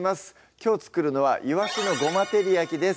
きょう作るのは「イワシのごま照り焼き」です